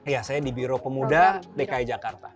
ya saya di biro pemuda dki jakarta